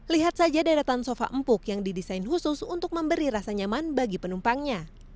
lihat saja deretan sofa empuk yang didesain khusus untuk memberi rasa nyaman bagi penumpangnya